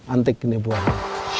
antik gini buahnya